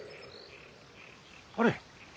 あれ？